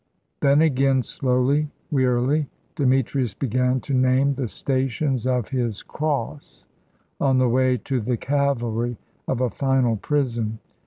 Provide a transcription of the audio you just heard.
Then again, slowly, wearily, Demetrius began to name the stations of his cross on the way to the calvary of a final prison.